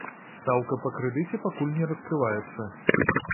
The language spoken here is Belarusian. Стаўка па крэдыце пакуль не раскрываецца.